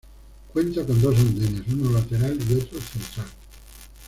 Cuenta con dos andenes, uno lateral y otro central.